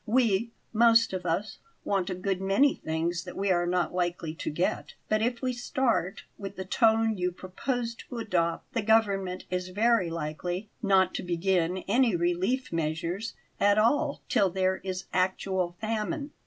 "We most of us want a good many things that we are not likely to get; but if we start with the tone you propose to adopt, the government is very likely not to begin any relief measures at all till there is actual famine.